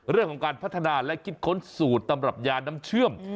เรื่องของการพัฒนาและคิดค้นสูตรตำรับยาน้ำเชื่อม